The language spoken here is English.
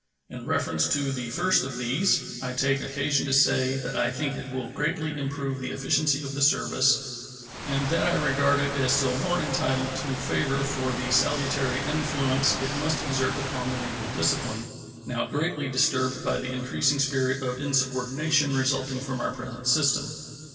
In reference to the first of these, I take occasion to say that I think it will greatly improve the efficiency of the service, and that I regard it as still more entitled to favor for the salutary influence it must exert upon the naval discipline, now greatly disturbed by the increasing spirit of insubordination resulting from our present system.